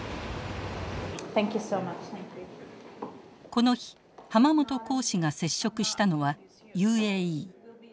この日濱本公使が接触したのはＵＡＥ。